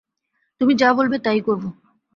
তুমি যা বলবে তাই করব।